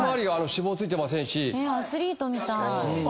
アスリートみたい。